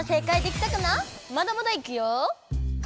まだまだいくよ。